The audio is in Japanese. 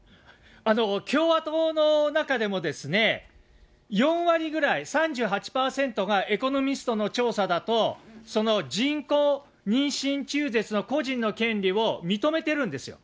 共和党の中でも４割ぐらい、３８％がエコノミストの調査だと、人工妊娠中絶の個人の権利を認めてるんですよ。